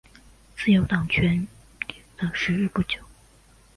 自由党掌权的时日不久。